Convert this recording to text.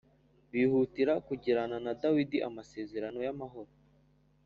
bihutira kugirana na Dawidi amasezerano y amahoro